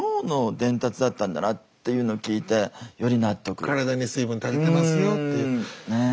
だけど体に水分足りてますよっていう。